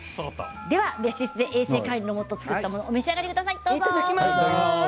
別室で衛生管理のもと作られたものをお召し上がりください。